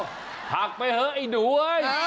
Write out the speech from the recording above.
เอ้าผลักไปเถอะไอ้หนูเว้ย